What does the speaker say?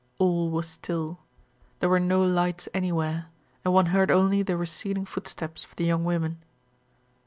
All was still; there were no lights anywhere and one heard only the receding footsteps of the young women.